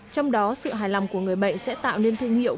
trong đó sự hài lòng của người bệnh sẽ tạo nên thương hiệu